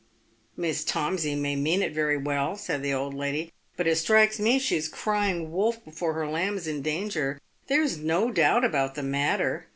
" Miss Tomsey may mean it very well," said the old lady, " but it strikes me she is ' crying wolf before her lamb's in danger. There's no doubt about the matter.